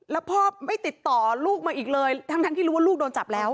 แล้วพ่อไม่ติดต่อลูกมาอีกเลยทั้งที่รู้ว่าลูกโดนจับแล้ว